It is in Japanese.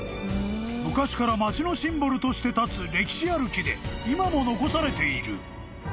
［昔から街のシンボルとして立つ歴史ある木で今も残されている］